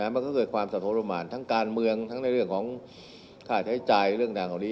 มันก็เกิดความสะทรมานทั้งการเมืองทั้งในเรื่องของค่าใช้จ่ายเรื่องดังเหล่านี้